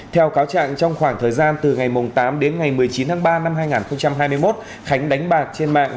theo cáo trạng trong khoảng thời gian từ ngày tám đến ngày một mươi chín tháng ba năm hai nghìn hai mươi một khánh đánh bạc trên mạng